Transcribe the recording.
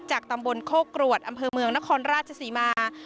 ตำบลโคกรวดอำเภอเมืองนครราชศรีมา